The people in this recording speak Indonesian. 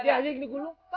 dia aja gini gulung